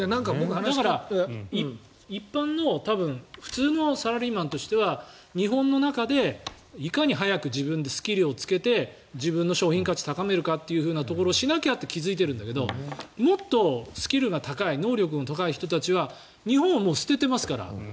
だから、一般の普通のサラリーマンとしては日本の中でいかに早く自分でスキルをつけて自分の商品価値を高めるかってことをしなきゃってことに気付いてるんだけどもっとスキルが高い能力が高い人たちは日本を捨ててますから。